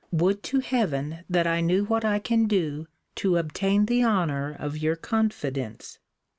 Would to heaven that I knew what I can do to obtain the honour of your confidence!